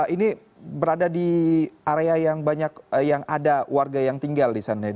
ini berada di area yang banyak yang ada warga yang tinggal di sana